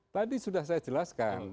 tadi sudah saya jelaskan